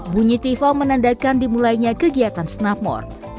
bunyi tifo menandakan dimulainya kegiatan snapmort